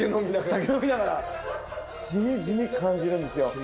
酒飲みながらしみじみ感じるんですよ。